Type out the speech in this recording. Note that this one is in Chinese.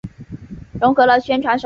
融合了宣传手段。